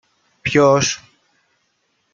Ποιος;